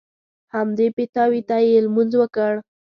همدې پیتاوي ته یې لمونځ وکړ.